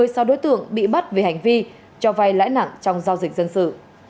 một mươi sao đối tượng bị bắt vì hành vi cho vai lãi nặng trong giao dịch dân sự